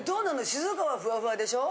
静岡はふわふわでしょ？